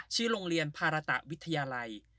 ชื่อโรงเรียนภาระตะวิทยาลัย